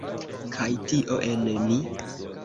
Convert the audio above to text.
Kaj tio en ni.